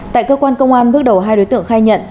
tại cơ quan công an bước đầu hai đối tượng khai nhận